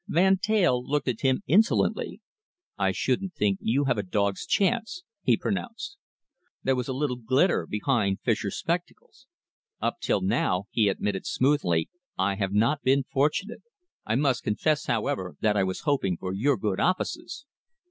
Van Teyl looked at him insolently. "I shouldn't think you'd have a dog's chance," he pronounced. There was a little glitter behind Fischer's spectacles. "Up till now," he admitted smoothly, "I have not been fortunate. I must confess, however, that I was hoping for your good offices."